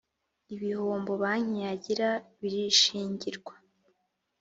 ibihombo banki yagira birishingirwa